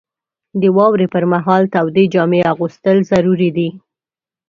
• د واورې پر مهال تودې جامې اغوستل ضروري دي.